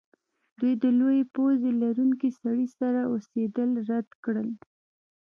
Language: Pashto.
دوی د لویې پوزې لرونکي سړي سره اوسیدل رد کړل